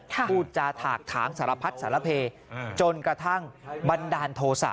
กูจะถากทางสารพัฒน์สารเผยจนกระทั่งบันดาลโทษะ